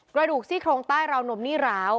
กระดูกซี่โครงใต้ราวนมนี่ร้าว